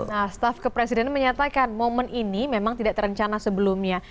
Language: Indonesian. nah staff kepresiden menyatakan momen ini memang tidak terencana sebelumnya